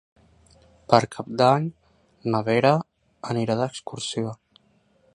Per Cap d'Any na Vera anirà d'excursió.